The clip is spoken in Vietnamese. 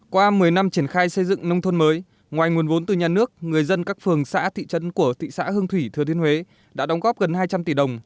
qua một mươi năm triển khai xây dựng nông thôn mới ngoài nguồn vốn từ nhà nước người dân các phường xã thị trấn của thị xã hương thủy thừa thiên huế đã đóng góp gần hai trăm linh tỷ đồng